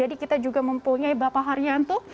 jadi kita juga mempunyai bapak haryanto